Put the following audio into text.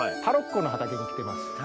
タロッコの畑に来てます。